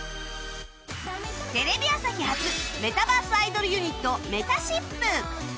テレビ朝日発メタバースアイドルユニットめたしっぷ